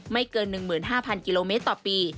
ไม่เกิน๑๕๐๐กิโลเมตรต่อปี